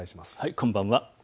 こんばんは。